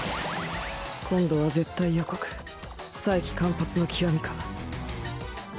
今度は絶対予告才気煥発の極みか